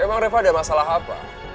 emang reva ada masalah apa